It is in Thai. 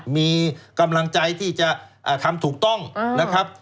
มีกำลังใจที่จะทำถูกต้องนะครับ